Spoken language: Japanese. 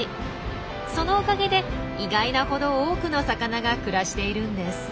そのおかげで意外なほど多くの魚が暮らしているんです。